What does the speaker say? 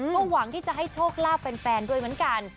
ก็หวังที่จะให้โชคลาภแฟนด้วยเหมือนกัน